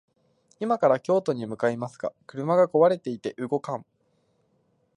今から京都に向かいますが、車が壊れていて動かん